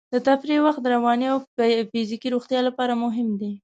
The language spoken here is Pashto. د تفریح وخت د رواني او فزیکي روغتیا لپاره مهم دی.